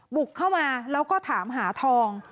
บุกเข้ามาแล้วก็ถามหาทอง